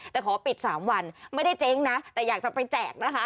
แต่ขอปิด๓วันไม่ได้เจ๊งนะแต่อยากจะไปแจกนะคะ